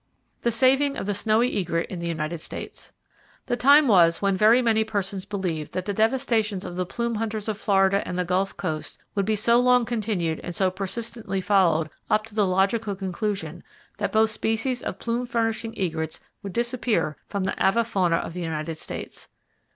The Saving Of The Snowy Egret In The United States. —The time was when [Page 319] very many persons believed that the devastations of the plume hunters of Florida and the Gulf Coast would be so long continued and so persistently followed up to the logical conclusion that both species of plume furnishing egrets would disappear from the avifauna of the United States.